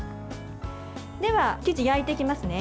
では生地を焼いていきますね。